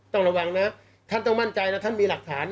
ต้องระวังนะท่านต้องมั่นใจแล้วท่านมีหลักฐาน